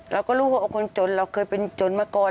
เราก็รู้ว่าคนจนเราเคยเป็นจนมาก่อน